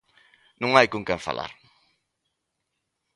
"Non hai con quen falar".